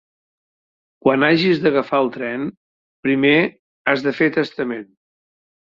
Quan hagis d'agafar el tren, primer has de fer testament.